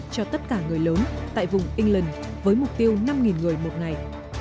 cho tất cả người lớn tại vùng england với mục tiêu năm người một ngày